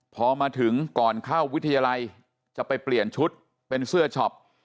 พอมาถึงก่อนเข้าวิทยาลัยจะไปเปลี่ยนชุดเป็นเสื้อช็อป